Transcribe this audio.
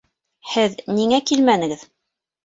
Һеҙ ниңә килмәнегеҙ?